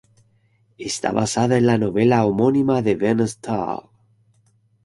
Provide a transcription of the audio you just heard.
Está basada en la novela homónima de Ben Stahl.